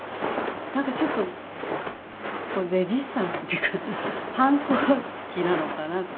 なんかちょっとレジスタンスっていうか反抗期なのか